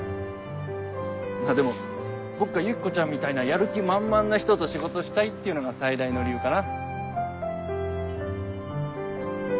まぁでも僕がユキコちゃんみたいなやる気満々な人と仕事したいっていうのが最大の理由かな。